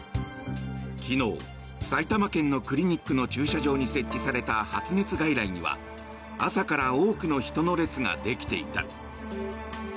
昨日、埼玉県のクリニックの駐車場に設置された発熱外来には朝から多くの人の列ができていた。